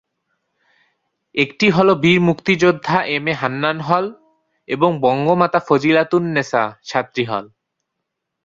একটি হল বীর মুক্তিযোদ্ধা এম এ হান্নান হল এবং বঙ্গমাতা ফজিলাতুন্নেছা ছাত্রী হল।